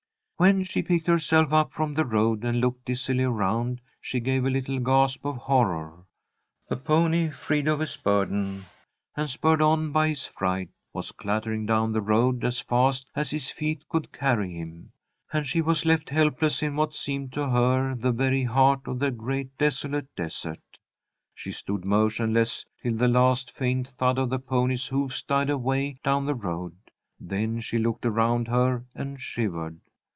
When she picked herself up from the road and looked dizzily around, she gave a little gasp of horror. The pony, freed of his burden and spurred on by his fright, was clattering down the road as fast as his feet could carry him, and she was left helpless in what seemed to her the very heart of the great, desolate desert. She stood motionless till the last faint thud of the pony's hoofs died away down the road. Then she looked around her and shivered.